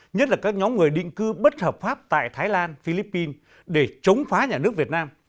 nhất là các nhóm người định cư bất hợp pháp tại thái lan philippines để chống phá nhà nước việt nam